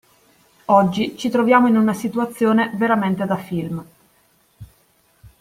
Oggi ci troviamo in una situazione veramente da film.